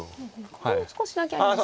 ここも少しだけありますか。